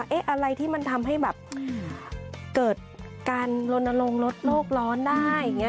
อะไรที่มันทำให้แบบเกิดการลนลงลดโลกร้อนได้อย่างนี้